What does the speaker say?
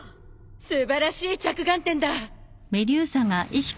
素晴らしい着眼点だ。